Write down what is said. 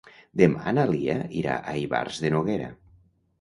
Demà na Lia irà a Ivars de Noguera.